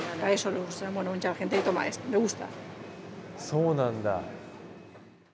そうなんだ。